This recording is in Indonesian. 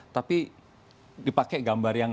tapi dipakai gambar yang